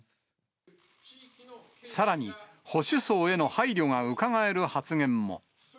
さらに、保守層への配慮がうかがえる発言も。